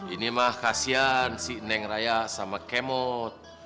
ini mah kasian si neng raya sama kemot